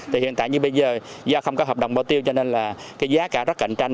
thì hiện tại như bây giờ do không có hợp đồng bao tiêu cho nên là cái giá cả rất cạnh tranh